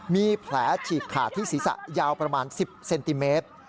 มีแผลฉีกขาดที่ศีรษะยาวประมาณ๑๐เซนติเมตร